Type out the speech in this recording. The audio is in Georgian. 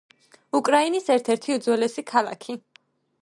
უკრაინის ერთ-ერთი უძველესი ქალაქი.